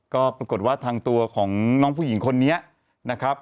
ก็ปรากฏว่าทางตัวของน้องผู้หญิงคนนี้นะครับ